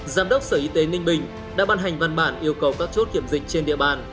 giám đốc sở y tế ninh bình đã ban hành văn bản yêu cầu các chốt kiểm dịch trên địa bàn